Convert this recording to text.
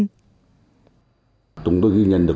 đà nẵng công ty in báo nhân dân đà nẵng